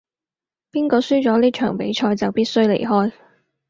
邊個輸咗呢場比賽就必須離開